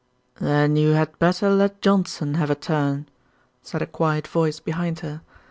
"Then you had better let Johnson have a turn," said a quiet voice behind her.